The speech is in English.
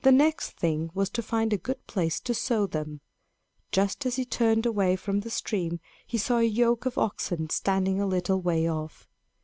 The next thing was to find a good place to sow them. Just as he turned away from the stream, he saw a yoke of oxen standing a little way off.